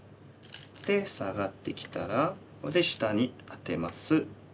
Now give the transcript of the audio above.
でサガってきたらここで下にアテます。